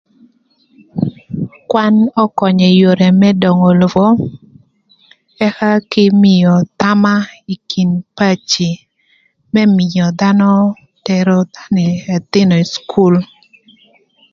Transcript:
Kwan ökönyö ï yodhi më döngö lobo ëka kï mïö thama ï kin paci më mïö dhanö tero dhanö ëthïnë ï cukul.